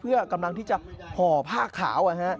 เพื่อกำลังที่จะห่อผ้าขาว